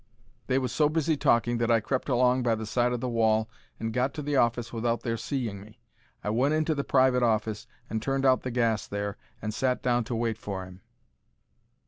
They was so busy talking that I crept along by the side of the wall and got to the office without their seeing me. I went into the private office and turned out the gas there, and sat down to wait for 'im.